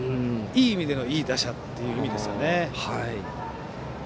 いい意味でのいい打者という意味ですね。